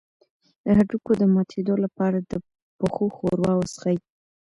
د هډوکو د ماتیدو لپاره د پښو ښوروا وڅښئ